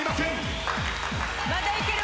まだいける。